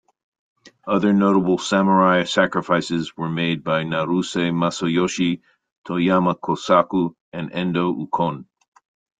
Other notable samurai sacrifices were made by Naruse Masayoshi, Toyama Kosaku, and Endo Ukon.